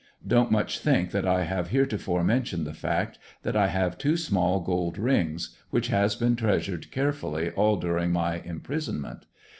Don't much think that I have heretofore mentioned the fact that I have two small gold rings, which has been treasured carefully all during my imprisonment.